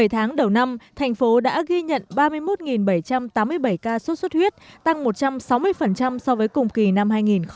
bảy tháng đầu năm thành phố đã ghi nhận ba mươi một bảy trăm tám mươi bảy ca sốt xuất huyết tăng một trăm sáu mươi so với cùng kỳ năm hai nghìn một mươi tám